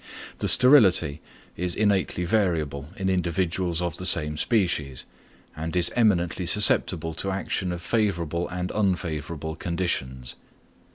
The sterility is innately variable in individuals of the same species, and is eminently susceptible to action of favourable and unfavourable conditions.